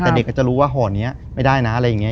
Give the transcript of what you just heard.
แต่เด็กก็จะรู้ว่าห่อนี้ไม่ได้นะอะไรอย่างนี้